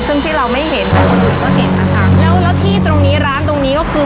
ซึ่งที่เราไม่เห็นคนอื่นก็เห็นนะคะแล้วแล้วที่ตรงนี้ร้านตรงนี้ก็คือ